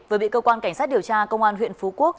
vừa bị cơ quan cảnh sát điều tra công an huyện phú quốc